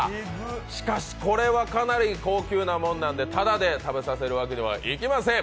しかし、これはかなり高級なものなので、ただで食べさせるわけにはいきません。